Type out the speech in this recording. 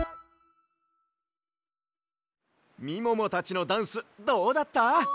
みももたちのダンスどうだった？